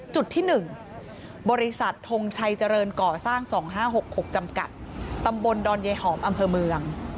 จุดที่๑บริษัททงชัยเจริญก่อสร้าง๒๕๖๖จำกัดตำบลดอนยายหอมอำเภอเมือง